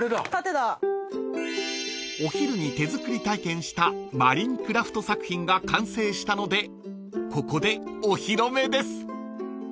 ［お昼に手作り体験したマリンクラフト作品が完成したのでここでお披露目です］